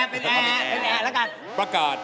เป็นแอร์แล้วกัน